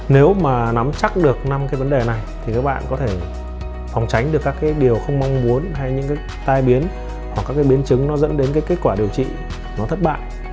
nếu mà nắm chắc được năm cái vấn đề này thì các bạn có thể phòng tránh được các cái điều không mong muốn hay những cái tai biến hoặc các cái biến chứng nó dẫn đến cái kết quả điều trị nó thất bại